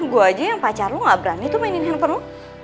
gue aja yang pacar lu gak berani tuh mainin handphone